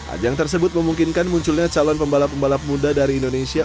ajang tersebut memungkinkan munculnya calon pembalap pembalap muda dari indonesia